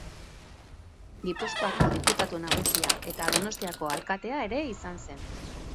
Gipuzkoako diputatu nagusia eta Donostiako alkatea ere izan zen.